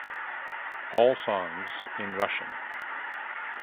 All songs in Russian.